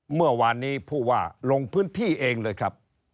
เมื่อวานนี้ผู้ว่าลงพื้นที่เองเลยครับ